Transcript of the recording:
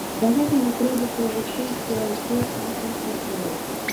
Да гэтага трэба прывучыць усіх нашых партнёраў.